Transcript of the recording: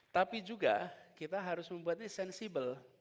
tapi juga kita harus membuatnya sensibel